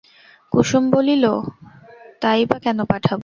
কুসুম বলিল, তাই বা কেন পাঠাব?